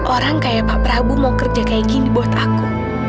orang kayak pak prabu mau kerja kayak gini buat aku